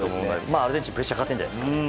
アルゼンチンもプレッシャーかかっているんじゃないですか。